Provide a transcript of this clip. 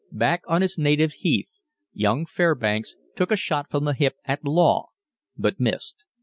Back on his native heath, young Fairbanks took a shot from the hip at law, but missed.